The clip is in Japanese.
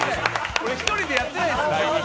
俺、１人でやってないです。